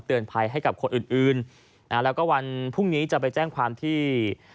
ภัยให้กับคนอื่นอื่นแล้วก็วันพรุ่งนี้จะไปแจ้งความที่